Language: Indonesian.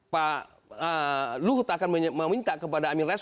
pak luhut akan meminta kepada amin rais